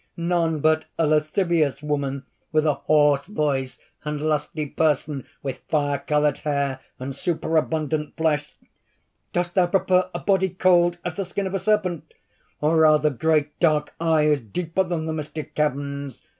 None but a lascivious woman, with a hoarse voice and lusty person, with fire colored hair and superabundant flesh? Dost thou prefer a body cold as the skin of a serpent, or rather great dark eyes deeper than the mystic caverns?